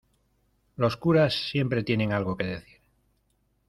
los curas siempre tiene algo que decir.